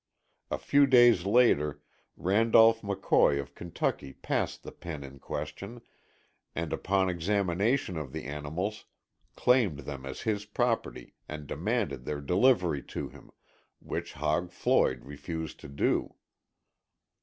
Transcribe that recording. A few days later Randolph McCoy of Kentucky passed the pen in question and upon examination of the animals claimed them as his property and demanded their delivery to him, which Hog Floyd refused to do.